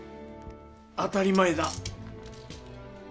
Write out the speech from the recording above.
当たり前だ。